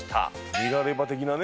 ニラレバ的なね。